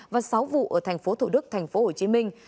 và sáu vụ ở thành phố thủ đức thành phố hồ chí minh